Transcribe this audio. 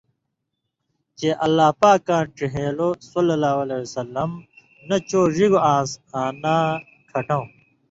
چے اللہ پاکاں ڇِہېلوۡ ﷺ ، نہ چو ڙِگوۡ آن٘س آں نہ کھٹؤں۔